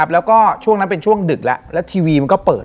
แล้วก็ช่วงนั้นเป็นช่วงดึกแล้วแล้วทีวีมันก็เปิด